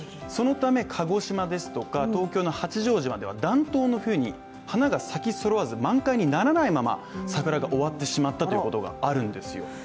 そのため鹿児島ですとか東京の八丈島では暖冬の冬に花が咲きそろわず満開にならないまま、桜が終わってしまったということがあるんですよ。